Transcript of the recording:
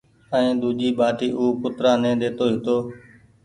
ائين ۮوجي ٻآٽي او ڪترآ ني ڏيتو هيتو